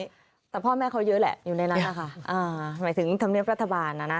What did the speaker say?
ใช่แต่พ่อแม่เขาเยอะแหละอยู่ในนั้นนะคะอ่าหมายถึงธรรมเนียบรัฐบาลน่ะนะ